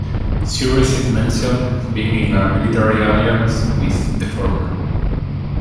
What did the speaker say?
Cyrus is mentioned being in a military alliance with the former.